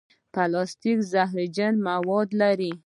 پلاستيک زهرجن مواد لري.